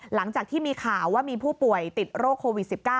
หลังจากที่มีข่าวว่ามีผู้ป่วยติดโรคโควิด๑๙